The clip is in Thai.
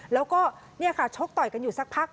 แล้วก็เนี่ยค่ะชกต่อยกันอยู่สักพัก